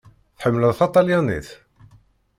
Tḥemmleḍ taṭelyanit?